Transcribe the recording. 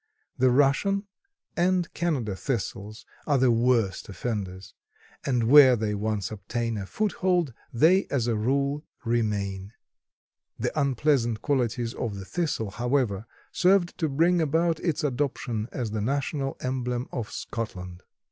The Russian and Canada thistles are the worst offenders, and where they once obtain a foothold they, as a rule, remain. The unpleasant qualities of the Thistle, however, served to bring about its adoption as the national emblem of Scotland.